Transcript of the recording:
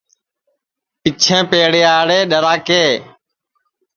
پِچھیں پیڑے یاڑے ڈؔراکرے